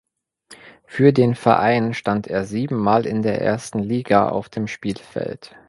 Für den Verein stand er siebenmal in der ersten Liga auf dem Spielfeld.